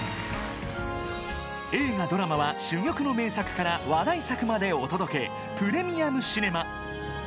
映画・ドラマは、珠玉の名作から話題作までお届け「プレミアムシネマ」。